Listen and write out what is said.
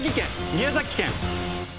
宮崎県！